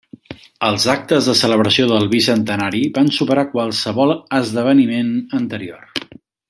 Els actes de celebració del Bicentenari van superar qualsevol esdeveniment anterior.